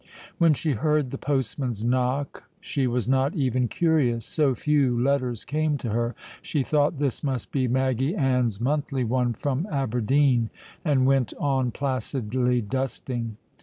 When she heard the postman's knock she was not even curious; so few letters came to her, she thought this must be Maggy Ann's monthly one from Aberdeen, and went on placidly dusting.